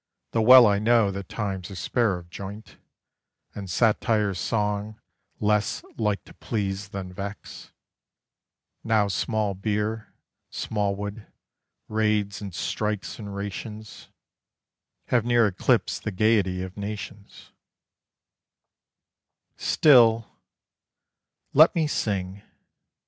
Though well I know that times are spare of joint, And satire's song less like to please than vex; Now small beer, Smallwood, raids and strikes and rations, Have near eclipsed the gaiety of nations: Still, let me sing.